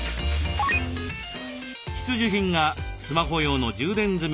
必需品がスマホ用の充電済みバッテリー。